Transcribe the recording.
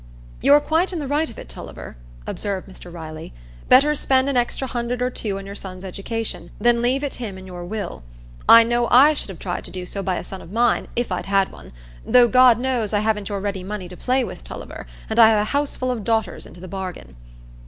"You're quite in the right of it, Tulliver," observed Mr Riley. "Better spend an extra hundred or two on your son's education, than leave it him in your will. I know I should have tried to do so by a son of mine, if I'd had one, though, God knows, I haven't your ready money to play with, Tulliver; and I have a houseful of daughters into the bargain."